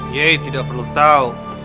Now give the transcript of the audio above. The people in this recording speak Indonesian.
yei tidak perlu tahu